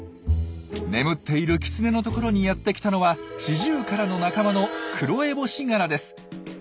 眠っているキツネのところにやって来たのはシジュウカラの仲間のクロエボシガラです。